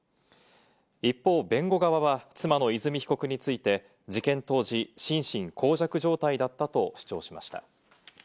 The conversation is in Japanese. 一方、弁護側は、妻の和美被告について、事件当時、心神耗弱状態だったと主張しました。